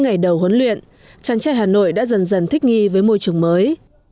ngày đầu huấn luyện chàng trai hà nội đã dần dần thích nghi với môi trường mới